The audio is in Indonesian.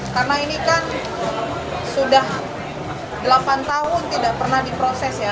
karena ini kan sudah delapan tahun tidak pernah diproses ya